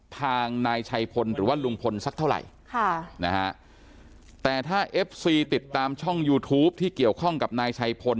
ทางนายชัยพลหรือว่าลุงพลสักเท่าไหร่ค่ะนะฮะแต่ถ้าเอฟซีติดตามช่องยูทูปที่เกี่ยวข้องกับนายชัยพล